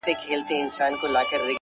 o زما خو ټوله كيسه هر چاته معلومه ـ